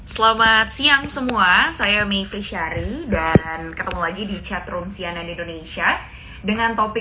selamat siang semua saya mevri syari dan ketemu lagi di chatroom cnn indonesia dengan topik